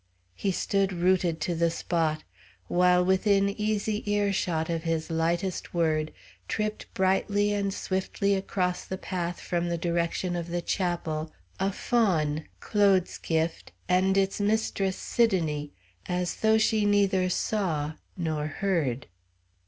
He stood rooted to the spot; while within easy earshot of his lightest word tripped brightly and swiftly across the path from the direction of the chapel a fawn, Claude's gift, and its mistress, Sidonie as though she neither saw nor heard.